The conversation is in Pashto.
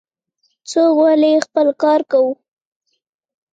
ځه غولی خپل کار کوه